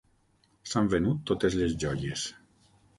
S'han venut totes les joies.